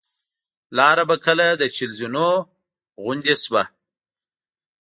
لاره به کله د چهل زینو غوندې شوه.